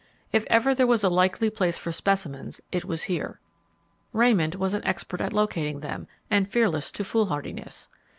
If ever there was a likely place for specimens it was here; Raymond was an expert at locating them, and fearless to foolhardiness.